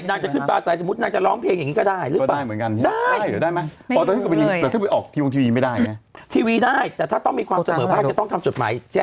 นางจะขึ้นป่าใสสมมุตินางจะร้องเพลงอย่างนี้ก็ได้